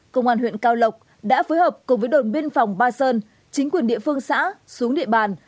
công an huyện cao lộc đã phối hợp cùng với đồn biên phòng ba sơn chính quyền địa phương xã xuống địa bàn